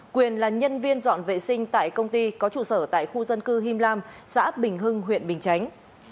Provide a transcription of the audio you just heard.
quyền là nhân viên dọn vệ sinh tại công ty có trụ sở tại khu dân cư him lam xã bình hưng huyện bình chánh